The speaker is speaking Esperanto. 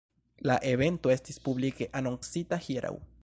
La evento estis publike anoncita hieraŭ.